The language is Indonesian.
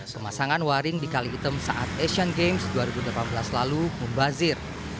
pemasangan waring di kali item saat asian games dua ribu delapan belas lalu membazir